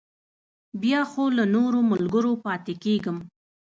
بیا خو له نورو ملګرو پاتې کېږم.